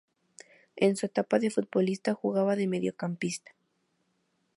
En su etapa de futbolista jugaba de mediocampista.